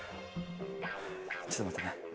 ちょっと待ってね。